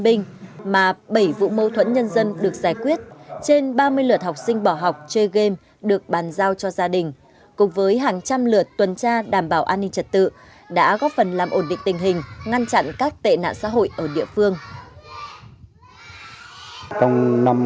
ba binh mà bảy vụ mâu thuẫn nhân dân được giải quyết trên ba mươi lượt học sinh bỏ học chơi game được bàn giao cho gia đình cùng với hàng trăm lượt tuần tra đảm bảo an ninh trật tự đã góp phần làm ổn định tình hình ngăn chặn các tệ nạn xã hội ở địa phương